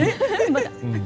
まだ？